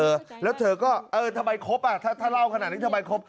ถ้าเล่าขนาดนี้ทำไมรักปื้งถ้าจับอพดัง